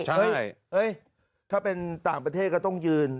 เฮ้ยถ้าเป็นต่างประเทศก็ต้องยืน